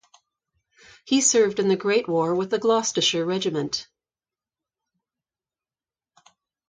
He served in the Great War with the Gloucestershire Regiment.